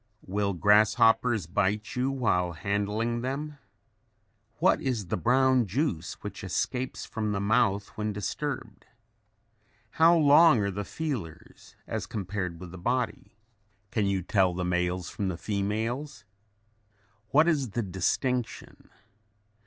Will grasshoppers bite you while handling them? What is the brown juice which escapes from the mouth when disturbed? How long are the feelers as compared with the body? Can you tell the males from the females? What is the distinction?